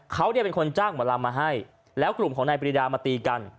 เขาเนี่ยเป็นคนจ้างหมอลำมาให้แล้วกลุ่มของนายปรีดามาตีกัน